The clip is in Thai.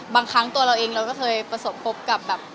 บางครั้งตัวเราเองเราก็เคยประสบพบกับแบบ